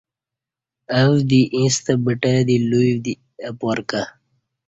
او دی ییستہ بٹہ دی لوی دی اپارکہ